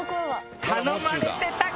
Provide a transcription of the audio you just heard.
頼まれてた。